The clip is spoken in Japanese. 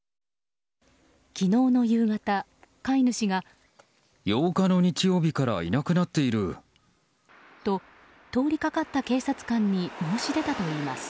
昨日の夕方、飼い主が８日の日曜日からいなくなっていると通りかかった警察官に申し出たといいます。